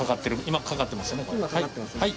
今かかってますね。